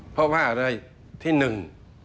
เพราะว่าอะไรที่หนึ่ง